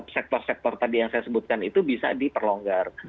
sektor sektor tadi yang saya sebutkan itu bisa diperlonggar